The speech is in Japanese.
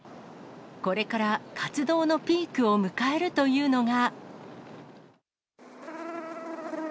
これから活動のピークを迎えるというのが。